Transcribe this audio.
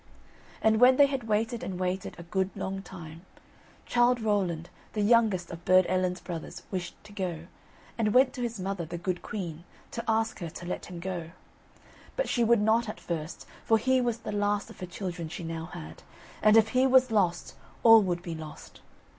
And when they had waited and waited a good long time, Childe Rowland, the youngest of Burd Ellen's brothers, wished to go, and went to his mother, the good queen, to ask her to let him go. But she would not at first, for he was the last of her children she now had, and if he was lost, all would be lost.